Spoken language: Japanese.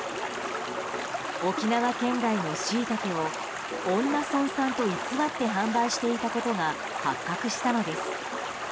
沖縄県外のシイタケを恩納村産と偽って販売していたことが発覚したのです。